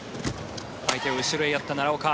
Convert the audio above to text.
相手を後ろへやった奈良岡。